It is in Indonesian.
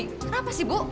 kenapa sih bu